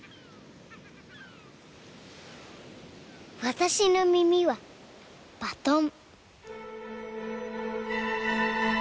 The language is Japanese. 私の耳はバトン。